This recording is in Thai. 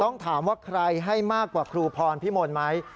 ต้องถามว่าใครให้มากกว่าครูพรพิมลไหม